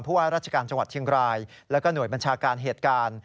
ว่าราชการจังหวัดเชียงรายแล้วก็หน่วยบัญชาการเหตุการณ์